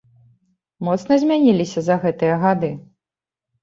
Моцна змяніліся за гэтыя гады?